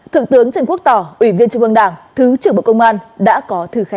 thượng tướng trần quốc tỏ ủy viên chủ vương đảng thứ trưởng bộ công an đã có thư khen